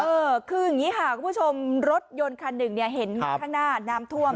เออคืออย่างนี้ค่ะคุณผู้ชมรถยนต์คันหนึ่งเนี่ยเห็นข้างหน้าน้ำท่วม